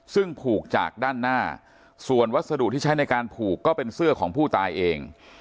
ซึ่งผูกจากด้านหน้าส่วนวัสดุที่ใช้ในการผูกก็เป็นเสื้อของผู้ตายเอง